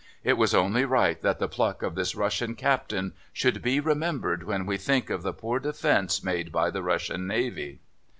It is only right that the pluck of this Russian Captain should be remembered when we think of the poor defence made by the Russian Navy.